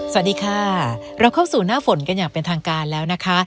สวัสดีค่ะเราเข้าสู่หน้าฝนกันอย่างเป็นทางการแล้วนะคะ